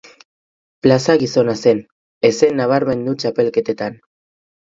Plaza gizona zen, ez zen nabarmendu txapelketetan.